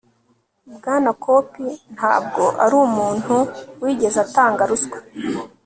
bwana koop ntabwo arumuntu wigeze atanga ruswa